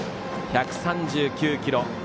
１３９キロ。